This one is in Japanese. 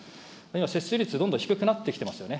接種率どんどん低くなってきてますよね。